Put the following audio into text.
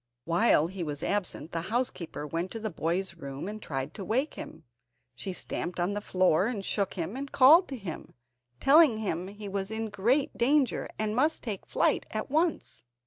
While he was absent the housekeeper went to the boy's room and tried to wake him. She stamped on the floor, and shook him and called to him, telling him that he was in great danger, and must take flight at once.